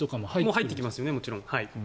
入ってきますよねもちろん。